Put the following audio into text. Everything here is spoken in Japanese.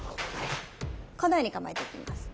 このように構えていきます。